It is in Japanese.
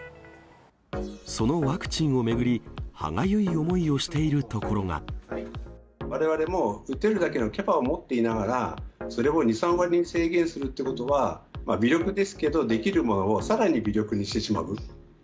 そのワクチンを巡り、われわれも打てるだけのキャパを持っていながら、それを２、３割に制限するということは、微力ですけど、できるものをさらに微力にしてしまう。